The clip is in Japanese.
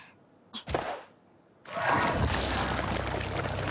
あっ？